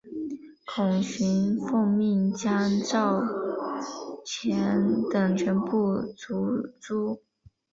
孔循奉命将赵虔等全部族诛。